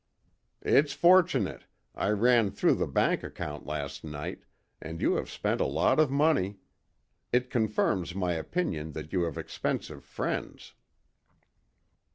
"It's fortunate. I ran through the bank account last night, and you have spent a lot of money. It confirms my opinion that you have expensive friends."